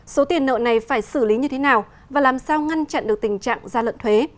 số tiền nợ này phải xử lý như thế nào và làm sao ngăn chặn được tình trạng gia lận thuế